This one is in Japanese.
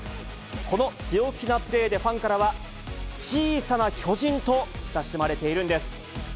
この強気なプレーでファンからは、小さな巨人と親しまれているんです。